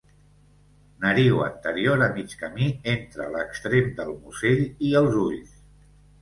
Nariu anterior a mig camí entre l'extrem del musell i els ulls.